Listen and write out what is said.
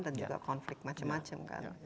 juga konflik macam macam kan